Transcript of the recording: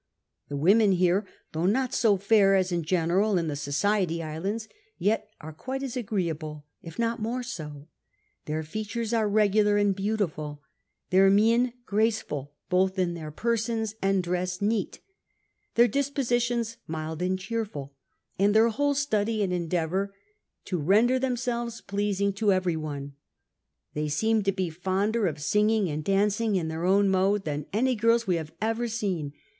... The women here, though not so fair as in general in the Society Islands, yet are quite as agreeable, if not more so ; their features are regular and beautiful, their mien graceful, both in their persons and dress neat, their dispositions niild and cheerful, and their whole study and endeavour to render themselves pleasing to every one : they seem to be fonder of singing and dancing in their own mode than any girls we have ever seen